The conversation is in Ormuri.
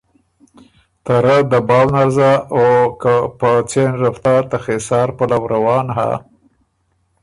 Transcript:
ته رۀ دباؤ نر زا او که په څېن رفتار ته خېسار پلؤ روان هۀ